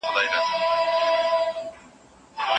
د سياست په نړۍ کې هر څه هغه ډول نه وي چې ښکاري.